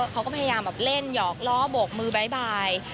เขาก็พยายามเล่นหยอกล้อบกมือบ๊าย